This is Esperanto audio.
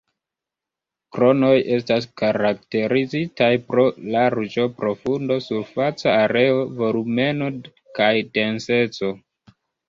Kronoj estas karakterizitaj pro larĝo, profundo, surfaca areo, volumeno, kaj denseco.